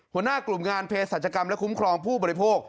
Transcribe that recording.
หัวหน้ากลุ่มงานเพศสัจกรรมและคุ้มครองผู้บริโภค